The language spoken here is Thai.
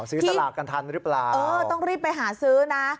สลากกันทันหรือเปล่าเออต้องรีบไปหาซื้อนะ